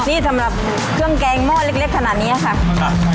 นี่สำหรับเครื่องแกงหม้อเล็กขนาดนี้ค่ะ